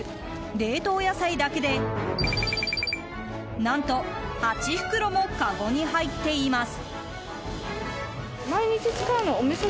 冷凍野菜だけで何と８袋もかごに入っています。